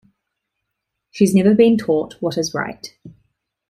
She’s never been taught what is right.